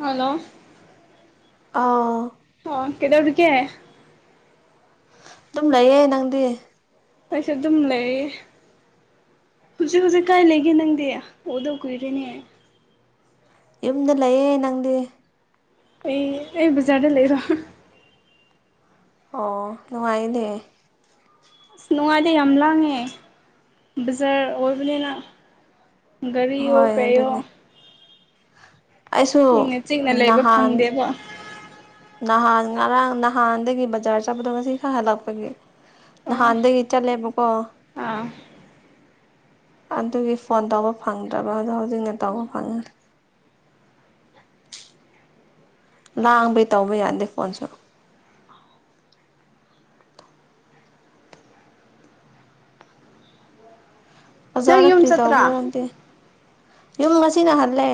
Hello! ꯑꯥꯎ꯫ ꯑꯣ ꯀꯩꯗꯧꯔꯤꯒꯦ? ꯑꯗꯨꯝ ꯂꯩꯌꯦ꯫ ꯅꯪꯗꯤ? ꯑꯩꯁꯨ ꯑꯗꯨꯝ ꯂꯩꯌꯦ꯫ ꯍꯨꯖꯤꯛ ꯍꯨꯖꯤꯛ ꯀꯥꯏ ꯂꯩꯒꯦ ꯅꯪꯗꯤ ꯎꯗꯥꯕ ꯀꯨꯏꯔꯦꯅꯦ꯫ ꯌꯨꯝꯗ ꯂꯩꯌꯦ, ꯅꯪꯗꯤ? ꯑꯩ ꯑꯩ ꯕꯖꯥꯔꯗ ꯂꯩꯕ꯫ ꯑꯣ ꯅꯨꯡꯉꯥꯏꯅꯦ꯫ ꯑꯁ ꯅꯨꯡꯉꯥꯏꯗꯦ ꯌꯥꯝ ꯂꯥꯡꯉꯦ ꯕꯖꯥꯔ ꯑꯣꯏꯕꯅꯤꯅ꯫ ꯒꯔꯤꯌꯣ ꯍꯣꯏ ꯀꯩꯌꯣ꯫ ꯑꯗꯨꯅꯦ ꯑꯩꯁꯨ ꯏꯪꯅ ꯆꯤꯛꯅ ꯂꯩꯕ ꯅꯍꯥꯟ, ꯐꯪꯗꯦꯕ ꯅꯍꯥꯟ ꯉꯔꯥꯡ ꯅꯍꯥꯟꯗꯒꯤ ꯕꯖꯥꯔ ꯆꯠꯄꯗꯣ ꯉꯁꯤ ꯈꯛ ꯍꯜꯂꯛꯄꯒꯤ꯫ ꯑꯣ ꯅꯍꯥꯟꯗꯒꯤ ꯆꯠꯂꯦꯕꯀꯣ꯫ ꯑꯥ ꯑꯗꯨꯒꯤ ꯐꯣꯟ ꯇꯧꯕ ꯐꯪꯗ꯭ꯔꯕ ꯑꯗꯣ ꯍꯧꯖꯤꯛꯅ ꯇꯧꯕ ꯐꯪꯉꯦ꯫ ꯂꯥꯡꯕꯩ ꯇꯧꯕ ꯌꯥꯗꯦ ꯐꯣꯟꯁꯨ꯫ ꯅꯪ ꯑꯣꯖꯥꯔꯗ ꯌꯨꯝ ꯀꯔꯤ ꯆꯠꯇ꯭ꯔꯥ ꯇꯧꯕ꯭ꯔꯣ ꯅꯪꯗꯤ? ꯌꯨꯝ ꯉꯁꯤꯅ ꯍꯜꯂꯦ꯫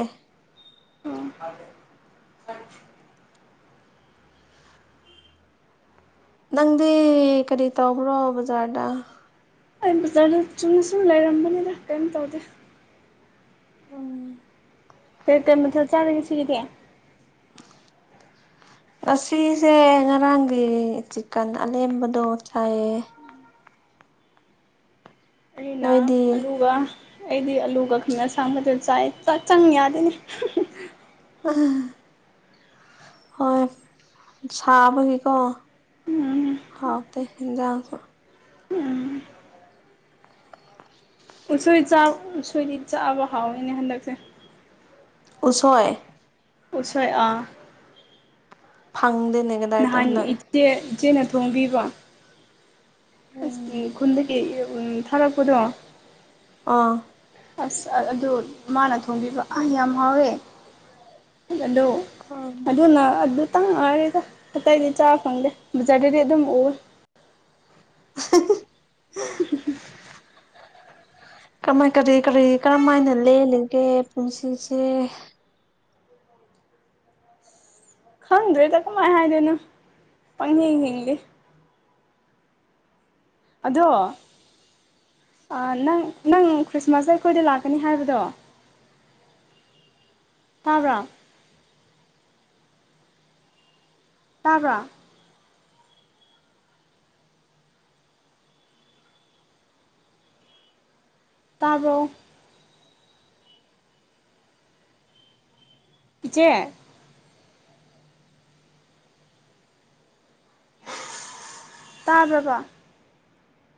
ꯎꯝ [unintelligible] ꯅꯪꯗꯤ ꯀꯔꯤ ꯇꯧꯕ꯭ꯔꯣ ꯕꯖꯥꯔꯗ? ꯑꯩ ꯕꯖꯥꯔꯗ ꯆꯨꯝꯅ ꯁꯨꯝ ꯂꯩꯔꯝꯕꯅꯤꯗ ꯀꯩꯝ ꯇꯧꯗꯦ꯫ ꯎꯝ ꯀꯩ-ꯀꯩ ꯃꯊꯦꯜ ꯆꯥꯔꯦ ꯉꯁꯤꯒꯤꯗꯤ? [inaudible] ꯉꯁꯤꯁꯦ ꯉꯔꯥꯡꯒꯤ ꯆꯤꯀꯟ ꯑꯂꯦꯝꯕꯗꯣ ꯆꯥꯏꯌꯦ꯫ ꯑꯩꯅꯥ ꯅꯣꯏꯗꯤ ꯑꯂꯨꯒ ꯑꯩꯗꯤ ꯑꯂꯨꯒ ꯉꯃꯦꯟ ꯃꯁꯥꯡꯕꯗꯨ ꯆꯥꯏ ꯆꯛ ꯆꯪ ꯌꯥꯗꯦꯅꯦ꯫ ꯍꯣꯏ ꯁꯥꯕꯒꯤ ꯀꯣ꯫ ꯎꯝ ꯍꯥꯎꯇꯦ ꯍꯦꯟꯖꯥꯡꯁꯨ꯫ ꯎꯝ ꯎꯁꯣꯏ ꯆ ꯎꯁꯣꯏꯗꯤ ꯆꯥꯕ ꯍꯥꯎꯋꯤꯅꯦ ꯍꯟꯗꯛꯁꯦ꯫ ꯎꯁꯣꯏ ꯎꯁꯣꯏ ꯑꯥ꯫ ꯐꯪꯗꯦꯅꯦ꯫ ꯀꯗꯥꯏꯗ ꯅꯍꯥꯟ ꯍꯟꯗꯛ ꯏꯆꯦ ꯏꯆꯦꯅ ꯊꯣꯡꯕꯤꯕ꯫ ꯑꯁ ꯈꯨꯟꯗꯒꯤ ꯊꯥꯔꯛꯄꯗꯣ? ꯑꯥ ꯑꯁ ꯑꯗꯨ ꯃꯥꯅ ꯊꯣꯡꯕꯤꯕ ꯑꯥ ꯌꯥꯝ ꯍꯥꯎꯋꯦ꯫ ꯍꯜꯂꯣ ꯎꯝ ꯑꯗꯨꯅ ꯑꯗꯨꯇꯪꯉꯥꯏꯔꯦꯗ ꯑꯇꯩꯗꯤ ꯆꯥꯕ ꯐꯪꯗꯦ ꯕꯖꯥꯔꯗꯗꯤ ꯑꯗꯨꯝ ꯎꯔꯦ [unintelligible] ꯀꯃꯥꯏ ꯀꯔꯤ ꯀꯔꯤ ꯀꯔꯝ ꯍꯥꯏꯅ ꯂꯦꯜꯂꯤꯒꯦ ꯄꯨꯟꯁꯤꯁꯦ ꯈꯪꯗ꯭ꯔꯦꯗ ꯀꯃꯥꯏꯅ ꯍꯥꯏꯗꯣꯏꯅꯣ ꯄꯪ ꯍꯤꯡ ꯍꯤꯡꯂꯤ ꯑꯗꯣ ꯑ ꯅꯪ ꯅꯪ ꯈ꯭ꯔꯤꯁꯃꯥꯁꯇ ꯑꯩꯈꯣꯏꯗ ꯂꯥꯛꯀꯅꯤ ꯍꯥꯏꯕꯗꯣ ꯇꯥꯕꯔꯥ ꯇꯥꯕ꯭ꯔꯥ ꯇꯥꯕꯔꯣ ꯏꯆꯦ ꯇꯥꯕ꯭ꯔꯕ